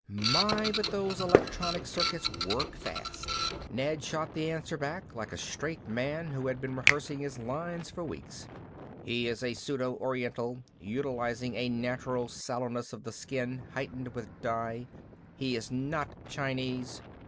My, but those electronic circuits work fast. Ned shot the answer back like a straight man who had been rehearsing his lines for weeks. "He is a pseudo oriental, utilizing a natural sallowness of the skin heightened with dye. He is not Chinese.